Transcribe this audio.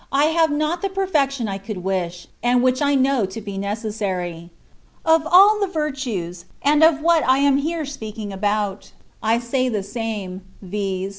48 I have not the perfection I could wish, and which I know to be necessary. Of all the virtues, and of what I am here speakins about, I say the same, viz.